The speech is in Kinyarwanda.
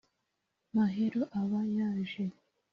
Mahero aba yaje